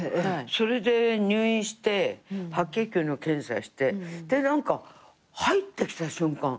それで入院して白血球の検査してで何か入ってきた瞬間